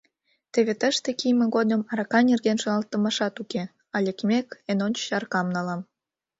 Теве тыште кийыме годым арака нерген шоналтымашат уке, а лекмек, эн ончыч аракам налам...